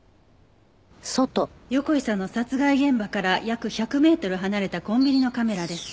横井さんの殺害現場から約１００メートル離れたコンビニのカメラです。